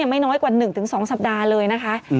ไม่น้อยกว่า๑๒สัปดาห์เลยนะคะ